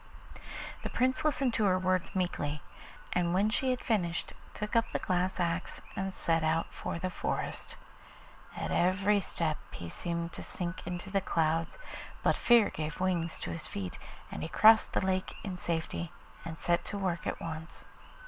The Prince listened to her words meekly, and when she had finished took up the glass axe and set out for the forest. At every step he seemed to sink into the clouds, but fear gave wings to his feet, and he crossed the lake in safety and set to work at once.